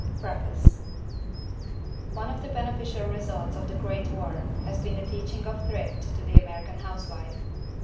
PREFACE One of the beneficial results of the Great War has been the teaching of thrift to the American housewife.